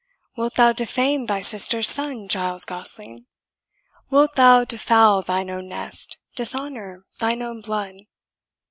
Wilt thou defame thy sister's son, Giles Gosling? wilt thou defoul thine own nest, dishonour thine own blood?'